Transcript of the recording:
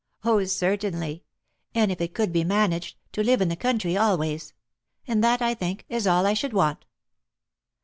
"Oh, certainly! And, if it could be managed, to live in the country always. And that, I think, is all I should want."